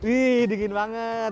wih dingin banget